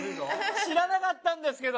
知らなかったんですけど！